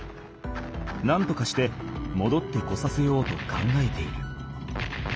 なんとかしてもどってこさせようと考えている。